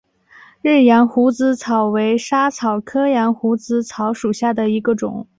日羊胡子草为莎草科羊胡子草属下的一个种。